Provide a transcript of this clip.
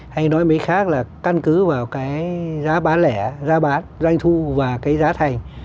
hay nói mới khác là căn cứ vào cái giá bán lẻ giá bán doanh thu và cái giá thành